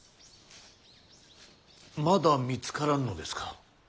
まだ見つからんのですか。